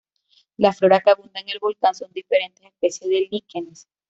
La flora que abunda en el volcán son diferentes especies de líquenes.